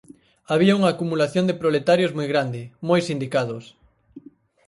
Había unha acumulación de proletarios moi grande, moi sindicados.